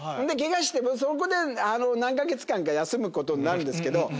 怪我してそこで何か月間か休むことになるんですけど。